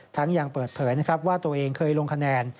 ทั้งยังเปิดเผยว่าตัวเองเคยลงคะแนน